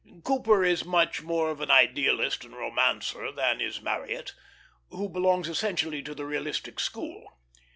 Cooper is much more of an idealist and romancer than is Marryat, who belongs essentially to the realistic school.